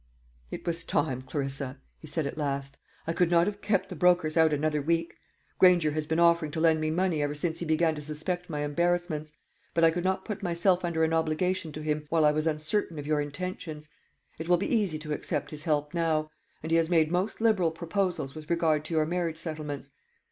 "It was time, Clarissa," he said at last. "I could not have kept the brokers out another week. Granger has been offering to lend me money ever since he began to suspect my embarrassments, but I could not put myself under an obligation to him while I was uncertain of your intentions: it will be easy to accept his help now; and he has made most liberal proposals with regard to your marriage settlements.